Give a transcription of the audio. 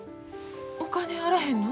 お金あらへんの。